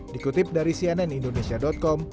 dikutip dari cnn indonesia com